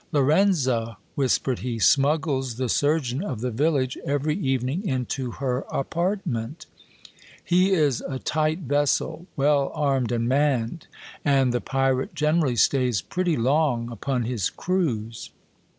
Lorenza, whispered he, smuggles the surgeon of the village every even ing into her apartment : he is a tight vessel, well armed and manned ; and the pirate generally stays pretty long upon his cruise.